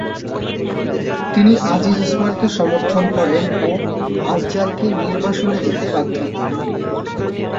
তিনি আজিজ উসমানকে সমর্থন করেন ও আফযালকে নির্বাসনে যেতে বাধ্য করেন।